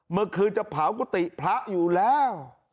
เมื่อคืนจะเผากุฏิพระอยู่แล้ว